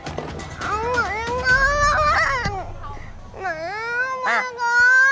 mẹ không mua đâu